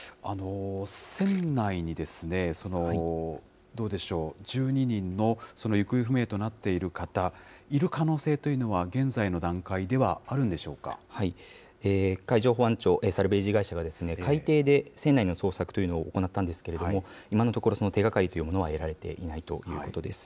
船内にどうでしょう、１２人の行方不明となっている方、いる可能性というのは、海上保安庁、サルベージ会社が海底で船内の捜索というのを行ったんですけれども、今のところ、手がかりというものは得られていないということです。